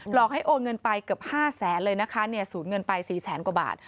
หลอกให้โอนเงินไปเกือบ๕๐๐๐๐๐บาทสูตรเงินไป๔๐๐๐๐๐บาท